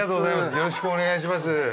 よろしくお願いします。